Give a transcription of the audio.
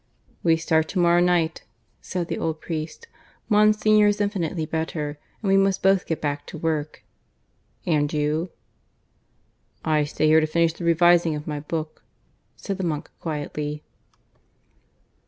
"We start to morrow night," said the old priest. "Monsignor is infinitely better, and we must both get back to work. And you?" "I stay here to finish the revising of my book," said the monk quietly.